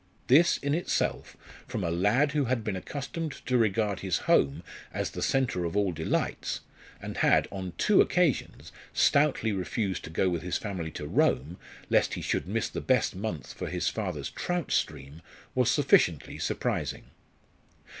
This in itself, from a lad who had been accustomed to regard his home as the centre of all delights, and had on two occasions stoutly refused to go with his family to Rome, lest he should miss the best month for his father's trout stream, was sufficiently surprising.